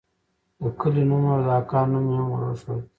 د کلي نوم او د اکا نوم مې هم وروښود.